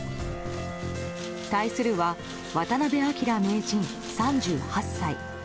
対するは渡辺明名人、３８歳。